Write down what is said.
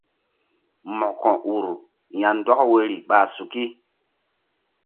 Mo̧ko ur ya̧ ndɔk woyri ɓa suki.